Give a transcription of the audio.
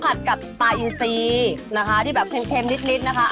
ผัดกับปลาอินซีนะคะที่แบบเค็มนิดนะคะ